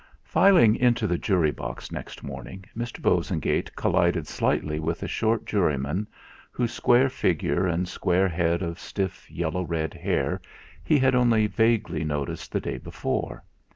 II Filing into the jury box next morning, Mr. Bosengate collided slightly with a short juryman, whose square figure and square head of stiff yellow red hair he had only vaguely noticed the day before.